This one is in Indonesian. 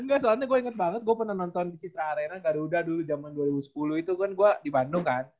enggak soalnya gue inget banget gue pernah nonton di citra arena garuda dulu zaman dua ribu sepuluh itu kan gue di bandung kan